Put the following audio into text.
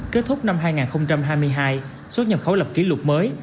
kết thúc năm hai nghìn hai mươi hai xuất nhập khẩu lập kỷ lục mới